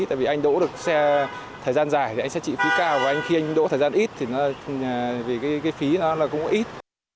tại vì anh đỗ được xe thời gian dài thì anh sẽ trị phí cao và anh khi anh đỗ thời gian ít thì cái phí nó cũng ít